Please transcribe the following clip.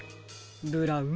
ブラウン